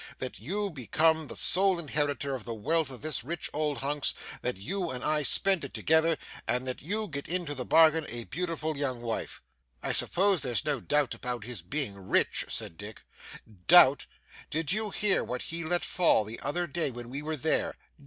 That you become the sole inheritor of the wealth of this rich old hunks, that you and I spend it together, and that you get into the bargain a beautiful young wife.' 'I suppose there's no doubt about his being rich' said Dick. 'Doubt! Did you hear what he let fall the other day when we were there?